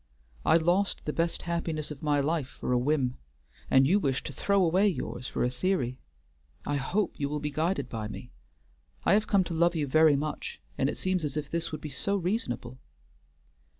I lost the best happiness of my life for a whim, and you wish to throw away yours for a theory. I hope you will be guided by me. I have come to love you very much, and it seems as if this would be so reasonable."